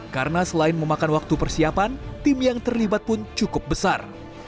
karena selain memakan waktu persiapan tim yang terlibat pun cukup besar